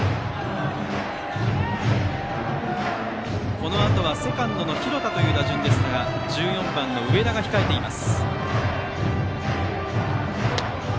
このあとはセカンドの廣田という打順ですが１４番の植田が控えています。